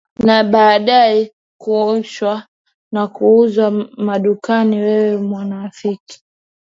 na baadaye kuoshwa na kuuzwa madukani wewe unafikiri